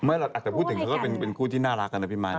ไม่ล่ะอาจจะพูดถึงเขาก็เป็นคู่ที่น่ารักกันนะพี่มายน่ะ